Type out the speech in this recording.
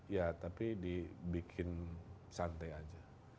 ya tapi dibikin santai aja